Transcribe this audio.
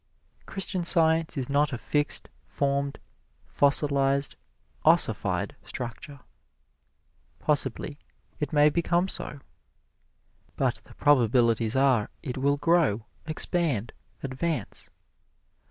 Christian Science is not a fixed, formed, fossilized, ossified structure. Possibly it may become so. But the probabilities are it will grow, expand, advance.